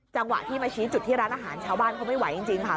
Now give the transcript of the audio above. จังหวะที่มาชี้จุดที่ร้านอาหารชาวบ้านเขาไม่ไหวจริงค่ะ